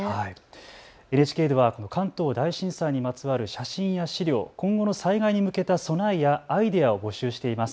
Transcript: ＮＨＫでは関東大震災にまつわる写真や資料、今後の災害に向けた備えやアイデアを募集しています。